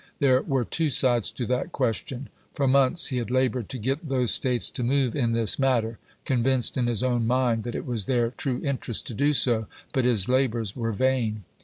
There were two sides to that question. For months he had labored to get those States to move in this matter, con vinced in his own mind that it was their true interest to do so, but his labors were vain.